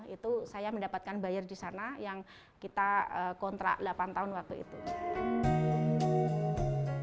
itu saya mendapatkan buyer di sana yang kita kontrak delapan tahun waktu itu